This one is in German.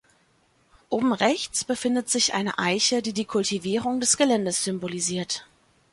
Oben rechts befindet sich eine Eiche die die Kultivierung des Geländes symbolisiert.